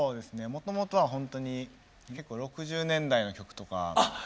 もともとはホントに結構６０年代の曲とかはい。